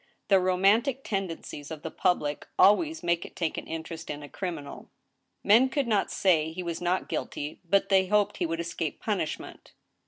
The romantic tendencies of the public always make it take an interest in a criminal. Men could not say he was not guilty, but they hoped he would escape punishment.